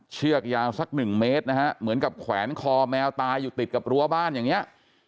เชือกยาวสักหนึ่งเมตรนะฮะเหมือนกับแขวนคอแมวตายอยู่ติดกับรั้วบ้านอย่างนี้